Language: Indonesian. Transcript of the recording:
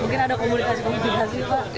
mungkin ada komunikasi komunikasi pak